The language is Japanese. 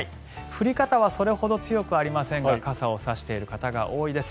降り方はそれほど強くありませんが傘を差している方が多いです。